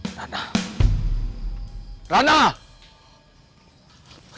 tidak ada orang untuk membantu